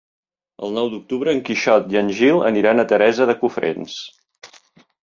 El nou d'octubre en Quixot i en Gil aniran a Teresa de Cofrents.